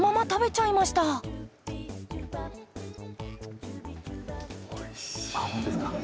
おいしい。